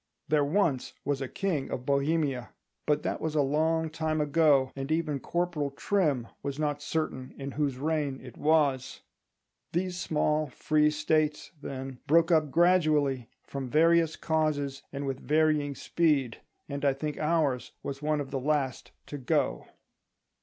"There once was a king of Bohemia"—but that was a long time ago, and even Corporal Trim was not certain in whose reign it was. These small free States, then, broke up gradually, from various causes and with varying speed; and I think ours was one of the last to go.